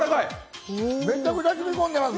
めちゃくちゃ染み込んでます。